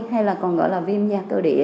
hay còn gọi là viêm da cơ địa